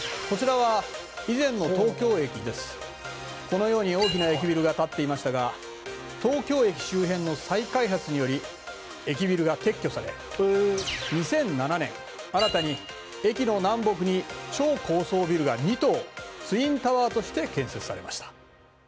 このように大きな駅ビルが建っていましたが東京駅周辺の再開発により駅ビルが撤去され２００７年新たに駅の南北に超高層ビルが２棟ツインタワーとして建設されました。